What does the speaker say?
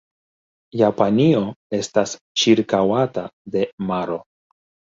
Japanio estas ĉirkaŭata de maro.